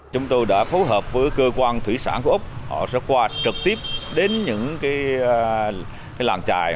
chúng tôi đã phối hợp với cơ quan thủy sản của úc họ sẽ qua trực tiếp đến những làng trài